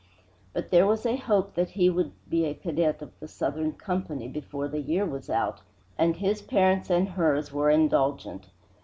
But there was a hope that he would be a cadet of the Southern Company before the year was out, and his parents and hers were indulgent.